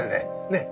ねっ？